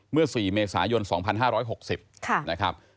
เมื่อ๔เมษายน๒๕๖๐นะครับ